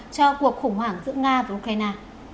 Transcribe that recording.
cho cuộc khủng hoảng giữa nga và ukraine